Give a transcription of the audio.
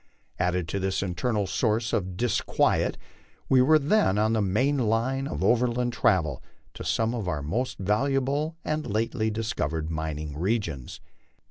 Added to this internal source of disquiet, we were then on the main line of overland travel to some of our most valuable and lately discovered mining regions.